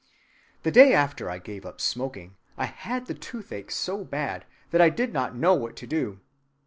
The day after I gave up smoking I had the toothache so bad that I did not know what to do.